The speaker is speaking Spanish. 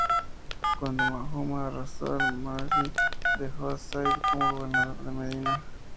Cuando Mahoma arrasó Al-Muraysi, dejó a Zayd como gobernador en Medina.